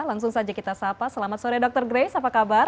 langsung saja kita sapa selamat sore dr grace apa kabar